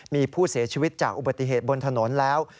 มีผู้เสียชีวิตจากอุบัติเหตุบนถนนแล้ว